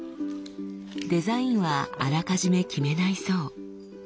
デザインはあらかじめ決めないそう。